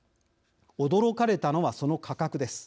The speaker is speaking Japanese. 驚かれたのは、その価格です。